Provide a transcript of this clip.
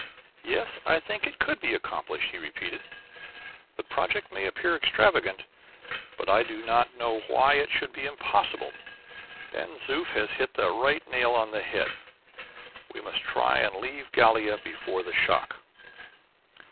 "Yes, I think it could be accomplished," he repeated. "The project may appear extravagant, but I do not know why it should be impossible. Ben Zoof has hit the right nail on the head; we must try and leave Gallia before the shock."